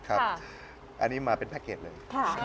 อันนี้มาเป็นแพ็กเกจเลย